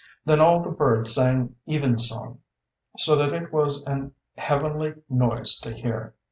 "Then all the birds sang evensong, so that it was an heavenly noise to hear."